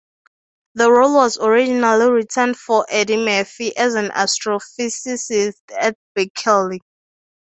The role was originally written for Eddie Murphy as an astrophysicist at Berkeley.